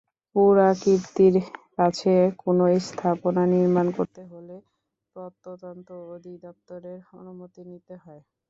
পুরাকীর্তির কাছে কোনো স্থাপনা নির্মাণ করতে হলে প্রত্নতত্ত্ব অধিদপ্তরের অনুমতি নিতে হয়।